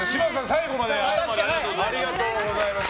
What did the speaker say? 最後までありがとうございました。